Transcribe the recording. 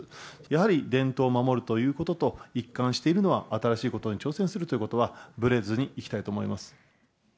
やはり伝統を守るということと、一貫しているのは新しいことに挑戦するということは、ぶれずにいきたいと思います。